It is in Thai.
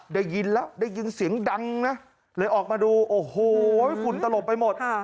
ได้ยินแล้วได้ยินเสียงดังนะเลยออกมาดูโอ้โหฝุ่นตลบไปหมด